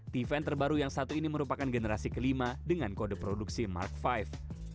t van terbaru yang satu ini merupakan generasi kelima dengan kode produksi mark v